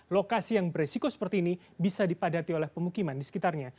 lokasi yang beresiko seperti ini bisa dipadati oleh pemukiman di sekitarnya